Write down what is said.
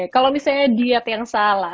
kalau misalnya diet yang salah